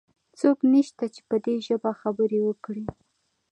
څوک نشته چې په دي ژبه خبرې وکړي؟